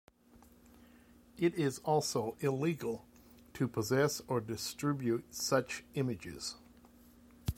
It is also illegal to possess or distribute such images.